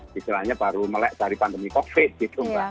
kira kira baru melek dari pandemi covid gitu